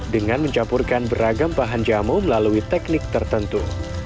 dengan mencampurkan beragam bahan jamu melalui teknik tertentu